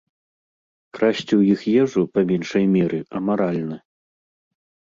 Красці ў іх ежу, па меншай меры, амаральна.